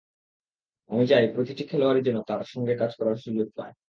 আমি চাই, প্রতিটি খেলোয়াড়ই যেন তাঁর সঙ্গে কাজ করার সুযোগ পায়।